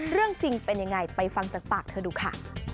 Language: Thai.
เรื่องจริงเป็นยังไงไปฟังจากปากเธอดูค่ะ